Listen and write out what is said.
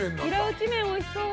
おいしそう。